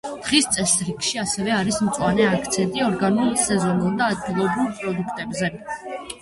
დღის წესრიგში ასევე არის მწვანე, აქცენტი ორგანულ, სეზონურ და ადგილობრივ პროდუქტებზე.